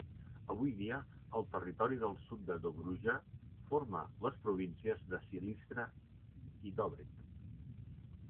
Avui dia, el territori del sud de Dobruja forma les províncies de Silistra i Dobrich.